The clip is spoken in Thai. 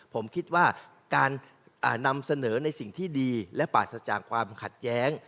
ผมคิดว่าการนำเสนอในสิ่งที่ดีและปราศจากความขัดแย้ง